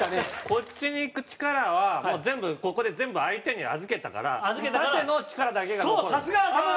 こっちに行く力はもう全部ここで全部相手に預けたから縦の力だけが残る。